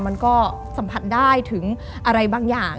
มันก็สัมผัสได้ถึงอะไรบางอย่าง